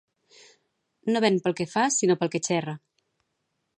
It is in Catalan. No ven pel que fa sinó pel que xerra